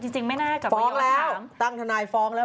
จริงไม่น่ากลัวเยอะกว่าถามฟ้องแล้วตั้งทนายฟ้องแล้ว